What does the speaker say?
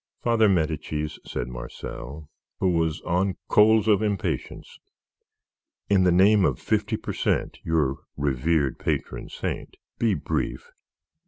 "Father Medicis," said Marcel, who was on coals of impatience, "in the name of fifty per cent, your revered patron saint, be brief."